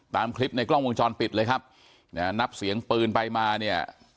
ตามคลิปในกล้องวงจรปิดเลยครับนะฮะนับเสียงปืนไปมาเนี่ย